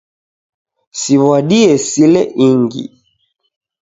Siwadie sile ingi